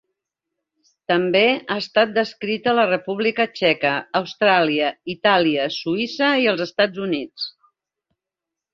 També ha estat descrita a la República Txeca, Austràlia, Itàlia, Suïssa i els Estats Units.